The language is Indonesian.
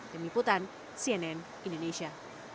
demi putan cnn indonesia